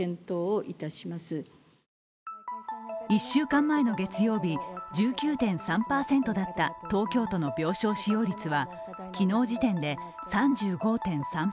１週間前の月曜日、１９．３％だった東京都の病床使用率は昨日時点で３５．３％。